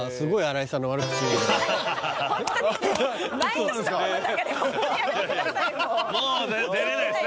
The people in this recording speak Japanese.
もうもう出れないですね